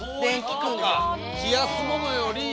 冷やすものより。